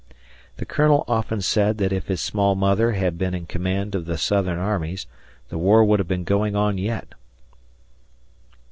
The Colonel often said that if his small mother had been in command of the Southern armies, the war would have been going on yet.